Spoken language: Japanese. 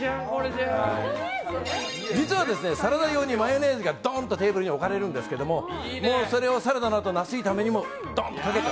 実は、サラダ用にマヨネーズがどんとテーブルに置かれるんですけどそれをサラダなどナス炒めにもドンと。